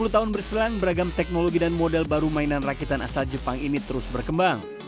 sepuluh tahun berselang beragam teknologi dan model baru mainan rakitan asal jepang ini terus berkembang